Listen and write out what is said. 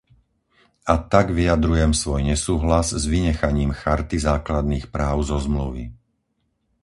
A tak vyjadrujem svoj nesúhlas s vynechaním Charty základných práv zo zmluvy.